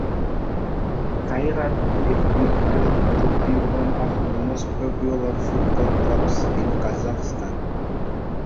Kairat is considered to be one of the most popular football clubs in Kazakhstan.